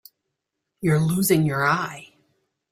You're losing your eye.